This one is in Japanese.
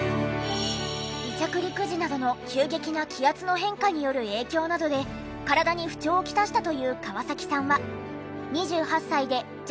離着陸時などの急激な気圧の変化による影響などで体に不調をきたしたという河崎さんは。